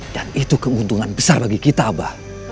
dan itu keuntungan besar bagi kita abah